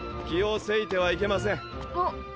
気を急いてはいけません！